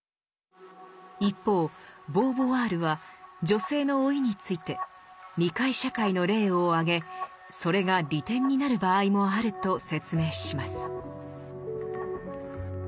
一方ボーヴォワールは女性の老いについて未開社会の例を挙げそれが利点になる場合もあると説明します。